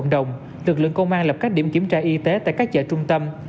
đồng lực lượng công an lập các điểm kiểm tra y tế tại các chợ trung tâm